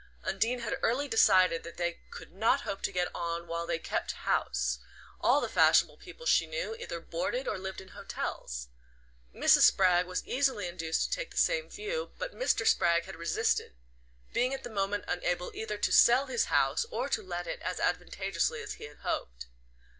Undine had early decided that they could not hope to get on while they "kept house" all the fashionable people she knew either boarded or lived in hotels. Mrs. Spragg was easily induced to take the same view, but Mr. Spragg had resisted, being at the moment unable either to sell his house or to let it as advantageously as he had hoped.